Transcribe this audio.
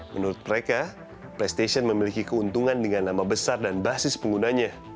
menurut mereka playstation memiliki keuntungan dengan nama besar dan basis penggunanya